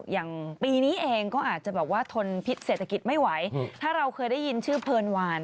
อย่างปีนี้เองก็อาจจะแบบว่าทนพิษเศรษฐกิจไม่ไหว